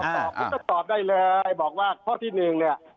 ตอบคุณก็ตอบได้เลยบอกว่าข้อที่หนึ่งเนี่ย